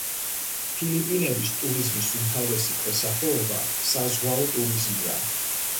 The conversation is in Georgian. ფილიპინების ტურიზმის უმთავრესი ქვესახეობა საზღვაო ტურიზმია.